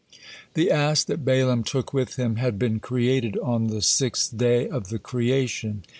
The ass that Balaam took with him had been created on the sixth day of the creation.